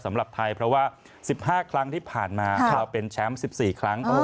สำหรับไทยเพราะว่า๑๕ครั้งที่ผ่านมาเราเป็นแชมป์๑๔ครั้ง